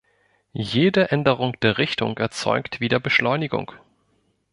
Jede Änderung der Richtung erzeugt wieder Beschleunigung.